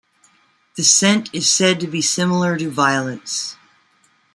The scent is said to be similar to violets.